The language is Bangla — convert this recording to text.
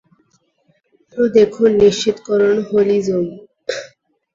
আরও দেখুন নিশ্চিতকরণ হোলিজম।